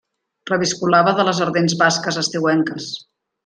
Reviscolava de les ardents basques estiuenques.